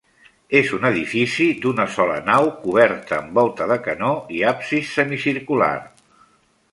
És un edifici d'una sola nau, coberta amb volta de canó i absis semicircular.